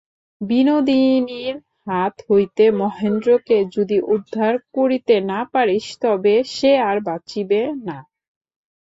বিনোদিনীর হাত হইতে মহেন্দ্রকে যদি উদ্ধার করিতে না পারিস তবে সে আর বাঁচিবে না।